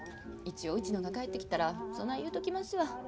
一応うちのんが帰ってきたらそない言うときますわ。